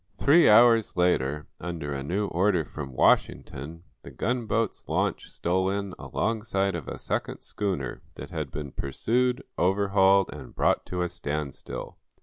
Three hours later, under a new order from Washington, the gunboat's launch stole in alongside of a second schooner that had been pursued, overhauled and brought to a standstill.